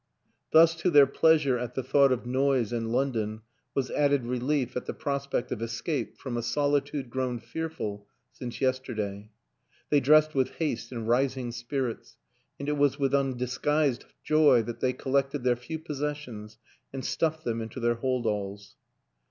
Thus to their pleasure at the thought of noise and London was added relief at the prospect of escape from a solitude grown fearful since yesterday. They dressed with haste and rising spirits; and it was with undisguised joy that they collected their few possessions and stuffed them into their hold alls.